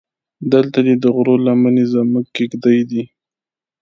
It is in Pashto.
دلته دې د غرو لمنې زموږ کېږدۍ دي.